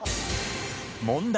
問題。